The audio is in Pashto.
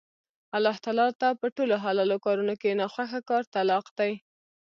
الله تعالی ته په ټولو حلالو کارونو کې نا خوښه کار طلاق دی